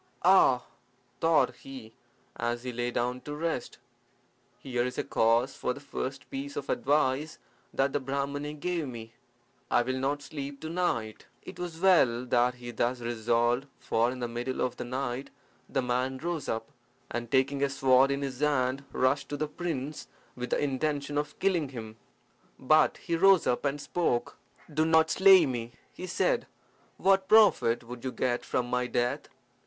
"Ah!" thought he, as he lay down to rest, "here is a case for the first piece of advice that the Brahmani gave me. I will not sleep to night." It was well that he thus resolved, for in the middle of the night the man rose up, and taking a sword in his hand, rushed to the prince with the intention of killing him. But he rose up and spoke. "Do not slay me," he said. "What profit would you get from my death?